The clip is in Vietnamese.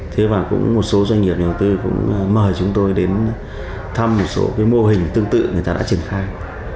thế và cũng một số doanh nghiệp nhà đầu tư cũng mời chúng tôi đến thăm một số cái mô hình tương tự người ta đã triển khai